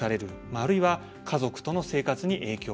あるいは家族との生活に影響が出る。